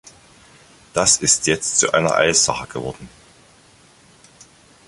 Das ist jetzt zu einer Eilsache geworden!